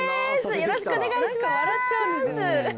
よろしくお願いします。